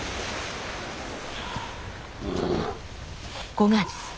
５月。